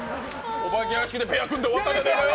お化け屋敷でペア組んで終わったじゃないかよ。